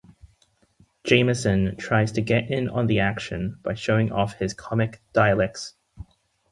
Jameson tries to get in on the action by showing off his comic dialects.